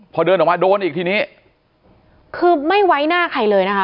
พอเดินออกมาโดนอีกทีนี้คือไม่ไว้หน้าใครเลยนะคะ